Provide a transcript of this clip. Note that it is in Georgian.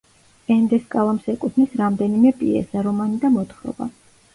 ენდეს კალამს ეკუთვნის რამდენიმე პიესა, რომანი და მოთხრობა.